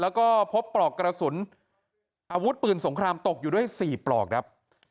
แล้วก็พบปลอกกระสุนอาวุธปืนสงครามตกอยู่ด้วย๔ปลอกครับ